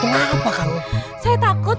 orang gelo di klaus